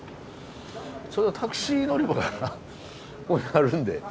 ちょうどタクシー乗り場がここにあるんで。